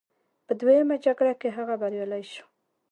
په دویمه جګړه کې هغه بریالی شو.